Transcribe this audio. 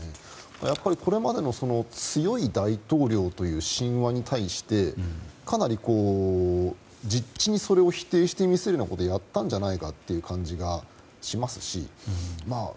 やっぱり、これまでの強い大統領という神話に対してかなり実地に、それを否定してみせるようなことをやったんじゃないかという感じがしますし。